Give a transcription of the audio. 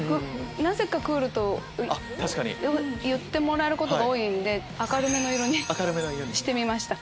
なぜか「クール」と言ってもらえることが多いので明るめの色にしてみました。